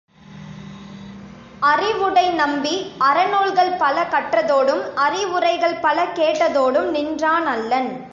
அறிவுடை நம்பி அறநூல்கள் பல கற்றதோடும், அறிவுரைகள் பல கேட்டதோடும் நின்றானல்லன்.